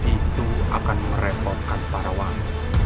itu akan merepotkan para wanita